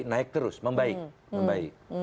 naik terus membaik